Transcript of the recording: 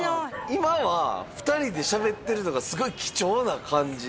今は２人でしゃべってるのがすごい貴重な感じ